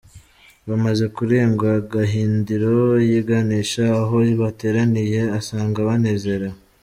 Bamaze kurengwa Gahindiro yiganisha aho bateraniye asanga banezerewe.